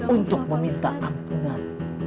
untuk meminta ampunan